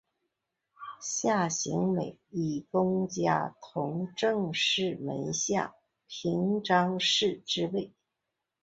夏行美以功加同政事门下平章事之位。